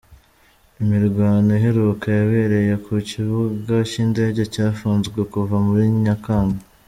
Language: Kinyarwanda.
Imirwano iheruka yabereye ku kibuga cy’indege cyafunzwe kuva muri Nyakanga.